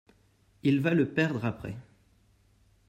Il va le perdre après.